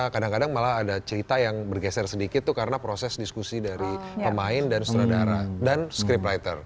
kadang kadang malah ada cerita yang bergeser sedikit itu karena proses diskusi dari pemain dan sutradara dan scrip writer